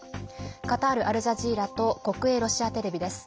カタール・アルジャジーラと国営ロシアテレビです。